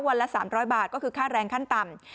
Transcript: ละ๓๐๐บาทก็คือค่าแรงขั้นต่ำ